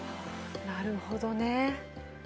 なるほどね。